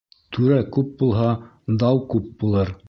Түрә күп булһа, дау күп булыр.